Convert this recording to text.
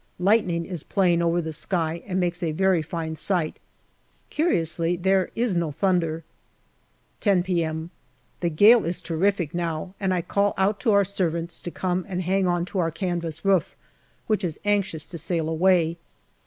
Lightning is playing over the sky and makes a very fine sight ; curiously, there is no thunder. 10 p.m. The gale is terrific now, and I call out to our servants to come and hang on to our canvas roof, which is anxious JUNE 151 to sail away.